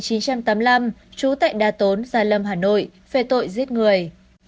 sinh năm một nghìn chín trăm tám mươi năm trú tại đa tốn gia lâm hà nội về tội giết người